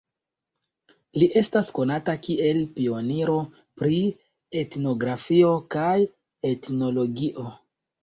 Li estas konata kiel pioniro pri etnografio kaj etnologio.